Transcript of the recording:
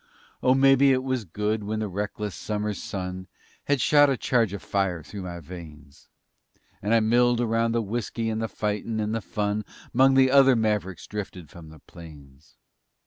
Oh, mebbe it was good when the reckless Summer sun Had shot a charge of fire through my veins, And I milled around the whiskey and the fightin' and the fun 'Mong the other mav'ricks drifted from the plains.